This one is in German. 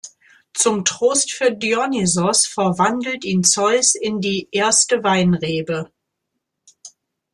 Zum Trost für Dionysos verwandelt ihn Zeus in die erste Weinrebe.